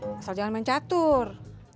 masalah jangan main catur